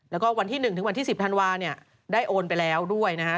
แล้วก็วันที่๑ถึงวันที่๑๐ธันวาเนี่ยได้โอนไปแล้วด้วยนะฮะ